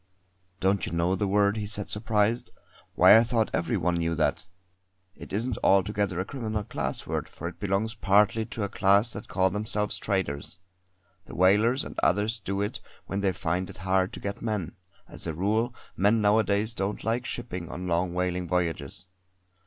"Don't you know the word," he said surprised. "Why I thought every one knew that. It isn't altogether a criminal class word, for it belongs partly to a class that call themselves traders. The whalers and others do it when they find it hard to get men; as a rule men nowadays don't like shipping on long whaling voyages.